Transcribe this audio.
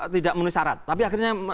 tidak memenuhi syarat tapi akhirnya